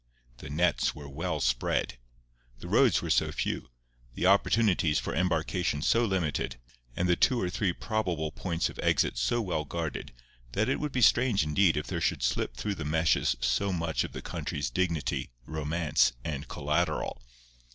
The nets were well spread. The roads were so few, the opportunities for embarkation so limited, and the two or three probable points of exit so well guarded that it would be strange indeed if there should slip through the meshes so much of the country's dignity, romance, and collateral.